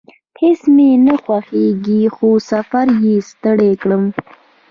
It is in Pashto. هیڅ مې نه خوښیږي، خو سفر یم ستړی کړی